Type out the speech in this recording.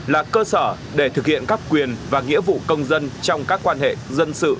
là cơ sở để thực hiện các quyền và nghĩa vụ công dân trong các quan hệ dân sự